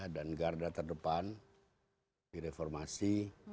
dan garda terdepan di reformasi